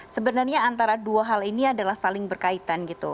sebenarnya antara dua hal ini adalah saling berkaitan gitu